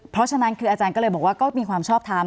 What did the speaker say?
เพราะฉะนั้นคืออาจารย์ก็เลยบอกว่าก็มีความชอบทำ